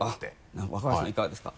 なるほど若林さんいかがですか？